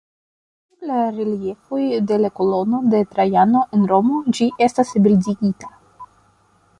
Sur la reliefoj de la Kolono de Trajano en Romo ĝi estas bildigita.